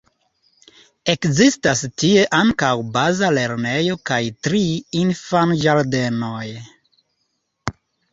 Ekzistas tie ankaŭ baza lernejo kaj tri infanĝardenoj.